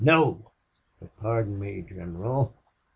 "No!" "But, pardon me, General.